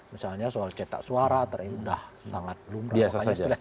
misalnya soal cetak suara terakhir ini sudah sangat lumrah